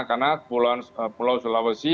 karena pulau sulawesi